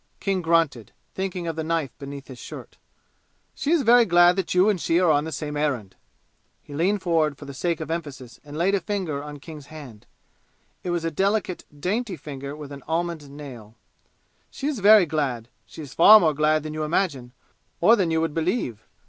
King grunted, thinking of the knife beneath his shirt. "She is very glad that you and she are on the same errand." He leaned forward for the sake of emphasis and laid a finger on King's hand. It was a delicate, dainty finger with an almond nail. "She is very glad. She is far more glad than you imagine, or than you would believe.